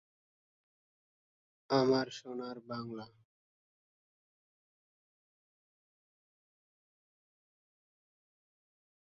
অলঙ্কার প্রাগৈতিহাসিক কাল থেকেই নানাবিধ কারণে অলঙ্কার ব্যবহূত হয়ে আসছে।